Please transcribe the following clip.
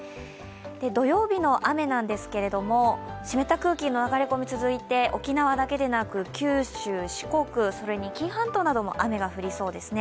土曜日の雨なんですけれども湿った空気の流れ込み続いて沖縄だけでなく九州、四国、それに紀伊半島なども雨が降りそうですね。